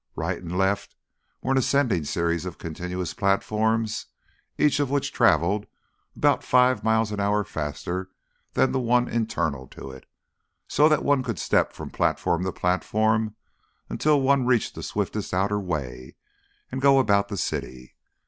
Right and left were an ascending series of continuous platforms each of which travelled about five miles an hour faster than the one internal to it, so that one could step from platform to platform until one reached the swiftest outer way and so go about the city.